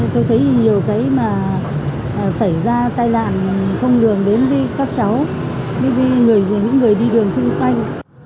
thế tôi thấy nhiều cái mà xảy ra tai dạng không đường đến với các cháu đến với những người đi đường xung quanh